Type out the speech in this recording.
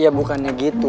iya bukannya gitu